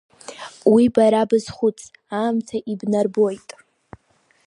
Уи бара базхәыц, аамҭа ибнарбоит…